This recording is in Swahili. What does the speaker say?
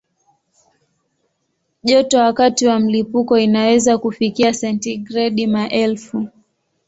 Joto wakati wa mlipuko inaweza kufikia sentigredi maelfu.